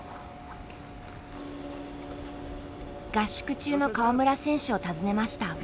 合宿中の川村選手を訪ねました。